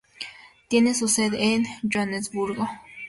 Tiene su sede en Johannesburgo.